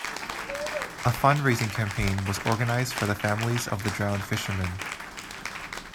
A fundraising campaign was organised for the families of the drowned fishermen.